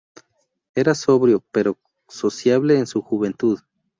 Era sobrio pero sociable en su juventud.